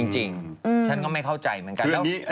จริงฉันก็ไม่เข้าใจมันก็